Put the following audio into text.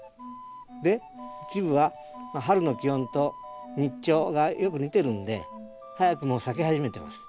で一部は春の気温と日長がよく似てるんで早くも咲き始めてます。